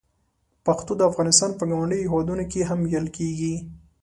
پښتو د افغانستان په ګاونډیو هېوادونو کې هم ویل کېږي.